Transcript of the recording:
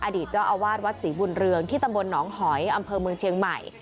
อดีตเจ้าอาวาสวัดศรีบุญเรืองที่ตำบลหนองหอยอำเภอเมืองเชียงใหม่